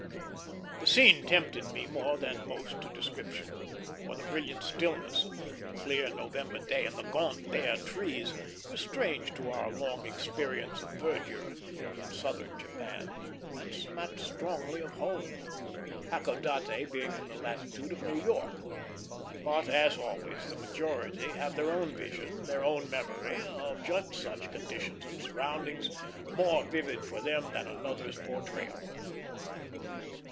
The scene tempted me more than most to description, for the brilliant stillness of a clear November day, and the gaunt, bare trees, were strange to our long experience of verdure in southern Japan, and smacked strongly of home Hakodate being in the latitude of New York; but, as always, the majority have their own vision, their own memory, of just such conditions and surroundings, more vivid for them than another's portrayal.